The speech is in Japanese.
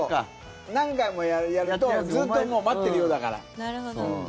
何回もやるとずっと待ってるようだから。